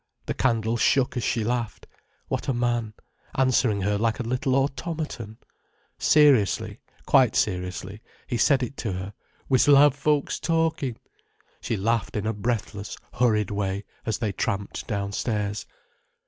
The candle shook as she laughed. What a man, answering her like a little automaton! Seriously, quite seriously he said it to her—"We s'll have folks talking!" She laughed in a breathless, hurried way, as they tramped downstairs.